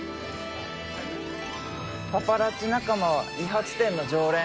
パパラッチ仲間は理髪店の常連。